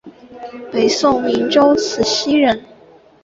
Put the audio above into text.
北宋明州慈溪人。